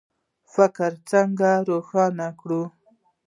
فکر څنګه روښانه کړو؟